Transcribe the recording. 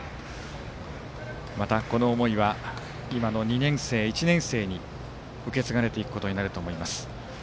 またこの思いは今の２年生、１年生に受け継がれていくことになると思います。